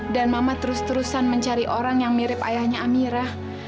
dan mama terus terusan mencari orang yang mirip ayahnya amira